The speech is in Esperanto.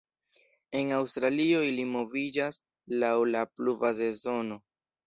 En Aŭstralio ili moviĝas laŭ la pluva sezono.